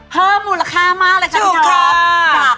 เพิ่มมูลค่ามากเลยครับนี่ครับ